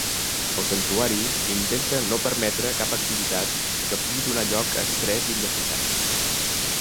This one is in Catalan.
El santuari intenta no permetre cap activitat que pugui donar lloc a estrès innecessari.